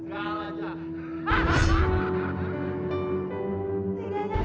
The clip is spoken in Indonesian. aku akan tinggalin bapak